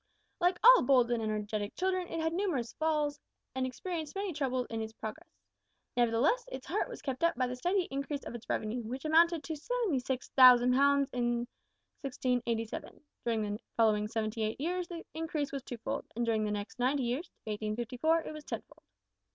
Like all bold and energetic children, it had numerous falls, and experienced many troubles in its progress. Nevertheless its heart was kept up by the steady increase of its revenue, which amounted to 76,000 pounds in 1687. During the following seventy eight years the increase was twofold, and during the next ninety years (to 1854) it was tenfold.